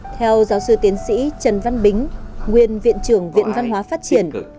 theo giáo sư tiến sĩ trần văn bính nguyên viện trưởng viện văn hóa phát triển